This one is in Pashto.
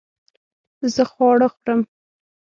زه خواړه خورم